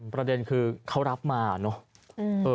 พี่พูมนี่คือเค้ารับมาเนาะ